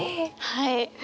はい。